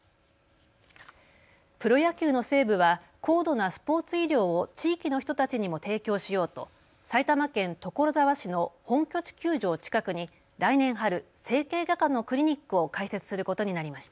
プロ野球の西武は高度なスポーツ医療を地域の人たちにも提供しようと埼玉県所沢市の本拠地球場近くに来年春、整形外科のクリニックを開設することになりました。